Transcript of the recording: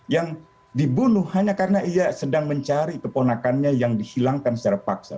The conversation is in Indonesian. yang dibunuh hanya karena ia sedang mencari keponakannya yang dihilangkan secara paksa